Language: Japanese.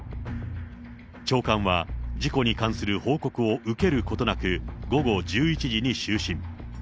長官は事故に関する報告を受けることなく、午後１１時に就寝。